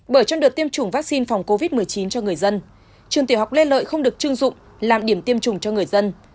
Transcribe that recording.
bởi trong đợt tiêm chủng vaccine phòng covid một mươi chín cho người dân trường tiểu học lê lợi không được chưng dụng làm điểm tiêm chủng cho người dân